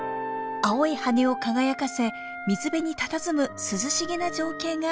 青い羽を輝かせ水辺にたたずむ涼しげな情景が浮かんできます。